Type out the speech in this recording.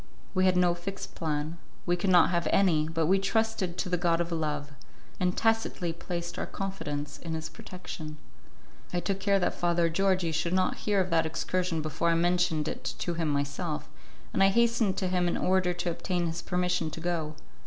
We had no fixed plan, we could not have any, but we trusted to the god of love, and tacitly placed our confidence in his protection. I took care that Father Georgi should not hear of that excursion before I mentioned it to him myself, and I hastened to him in order to obtain his permission to go.